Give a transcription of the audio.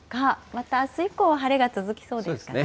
またあす以降は晴れが続きそうでそうですね。